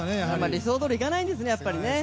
理想どおりいかないんですね、やっぱり。